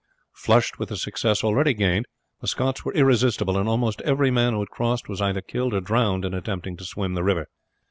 Flushed with the success already gained the Scots were irresistible, and almost every man who had crossed was either killed or drowned in attempting to swim the river.